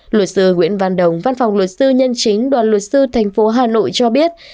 luật sư nguyễn văn đồng văn phòng luật sư nhân chính đoàn luật sư tp hà nội cho biết